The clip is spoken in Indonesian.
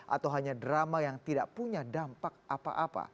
atau hanya drama yang tidak punya dampak apa apa